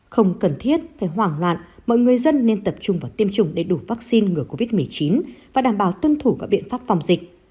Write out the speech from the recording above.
không cần thiết phải hoảng loạn mọi người dân nên tập trung vào tiêm chủng đầy đủ vaccine ngừa covid một mươi chín và đảm bảo tuân thủ các biện pháp phòng dịch